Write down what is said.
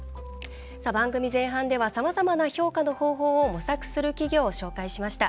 番組前半ではさまざまな評価の方法を模索する企業を紹介しました。